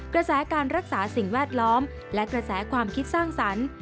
กระแสการรักษาสิ่งแวดล้อมและกระแสความคิดสร้างสรรค์